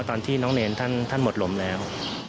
ตอนที่น้องเนรท่านหมดลมแล้ว